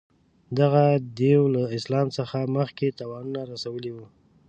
دغه دېو له اسلام څخه مخکې تاوانونه رسولي وه.